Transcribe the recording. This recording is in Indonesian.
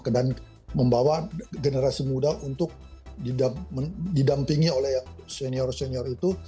dan membawa generasi muda untuk didampingi oleh senior senior itu